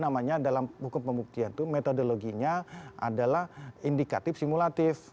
nah saya ingin katakan ada namanya dalam hukum pembuktian itu metodologinya adalah indikatif simulatif